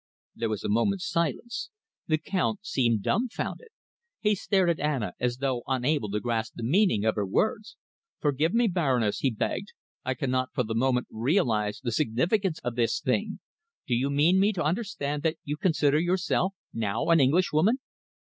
There was a moment's silence. The Count seemed dumbfounded. He stared at Anna as though unable to grasp the meaning of her words. "Forgive me, Baroness!" he begged. "I cannot for the moment realise the significance of this thing. Do you mean me to understand that you consider yourself now an Englishwoman?"